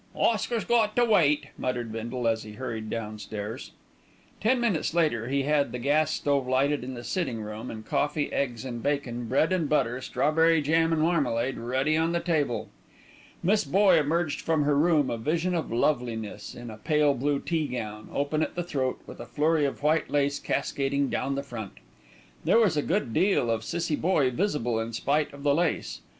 "Oscar's got to wait," muttered Bindle as he hurried downstairs. Ten minutes later he had the gas stove lighted in the sitting room, and coffee, eggs and bacon, bread and butter, strawberry jam and marmalade ready on the table. Miss Boye emerged from her room, a vision of loveliness in a pale blue teagown, open at the throat, with a flurry of white lace cascading down the front. There was a good deal of Cissie Boye visible in spite of the lace.